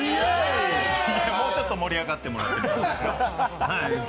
もうちょっと盛り上がってもらえますか激